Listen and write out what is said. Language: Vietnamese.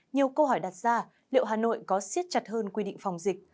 nhiều câu hỏi đặt ra liệu hà nội có siết chặt hơn quy định phòng dịch